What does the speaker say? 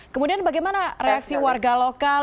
kemudian bagaimana reaksi warga lokal